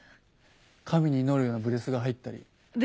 神に祈るようなブレスが入ったり。ですよね。